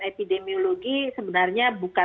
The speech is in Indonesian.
atur kabin besarnya ya